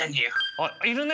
あっいるね！